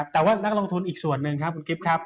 แต่ว่านักลงทุนอีกส่วนหนึ่งครับคุณกิฟต์ครับ